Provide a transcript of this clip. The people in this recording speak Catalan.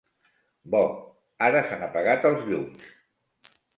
Bo: ara s'han apagat els llums!